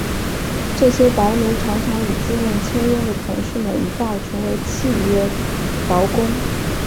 这些白奴常常与自愿签约的同事们一道成为契约劳工。